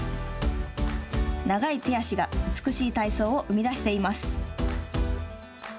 長い手足が美しい体操を生み出しています。